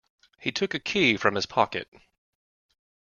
He took a key from his pocket.